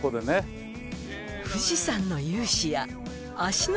富士山の雄姿や芦ノ